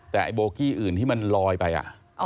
แต่โบกี้อื่นที่มันลอยไปอ่ะ